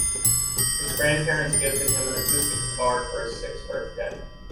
His grandparents gifted him an acoustic guitar for his sixth birthday.